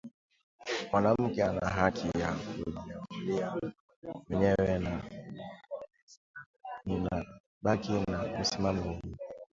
mwanamke anahaki ya kujiamulia mwenyewe na nina baki na msimamo huo